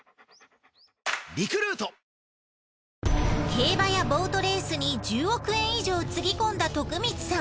競馬やボートレースに１０億円以上注ぎ込んだ徳光さん。